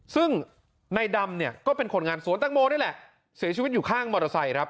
ซึ่งในดำเนี่ยก็เป็นคนงานสวนตังโมนี่แหละเสียชีวิตอยู่ข้างมอเตอร์ไซค์ครับ